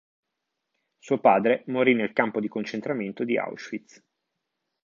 Suo padre morì nel campo di concentramento di Auschwitz.